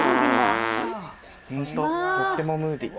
ホントとってもムーディー。